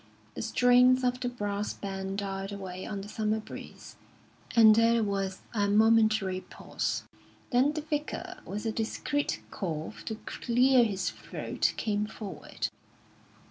The strains of the brass band died away on the summer breeze, and there was a momentary pause. Then the Vicar, with a discreet cough to clear his throat, came forward.